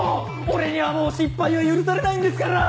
俺にはもう失敗は許されないんですから！